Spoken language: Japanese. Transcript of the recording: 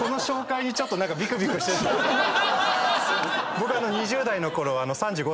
僕。